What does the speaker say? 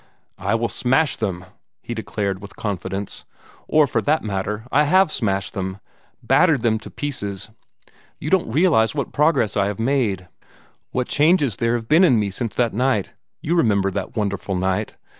"I will smash them!" he declared, with confidence. "Or for that matter, I HAVE smashed them battered them to pieces. You don't realize what progress I have made, what changes there have been in me since that night, you remember that wonderful night!